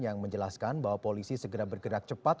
yang menjelaskan bahwa polisi segera bergerak cepat